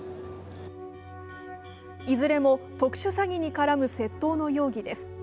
いずれも特殊詐欺に絡む窃盗の容疑です。